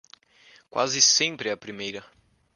Quase sempre é a primeira.